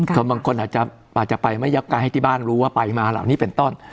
ก็บางคนอาจจะไปไม่ยับกายให้ที่บ้านรู้ว่าไปมาเหล่านี้เป็นต้น